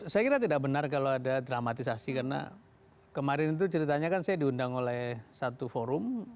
saya kira tidak benar kalau ada dramatisasi karena kemarin itu ceritanya kan saya diundang oleh satu forum